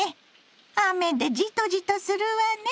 雨でじとじとするわね。